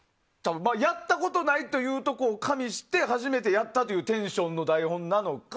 やったことないというところを加味して初めてやったというテンションの台本なのか